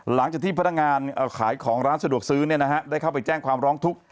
หลังจากที่พนักงานขายของร้านสะดวกซื้อได้เข้าไปแจ้งความร้องทุกข์